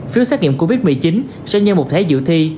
phiếu xét nghiệm covid một mươi chín sẽ như một thế dự thi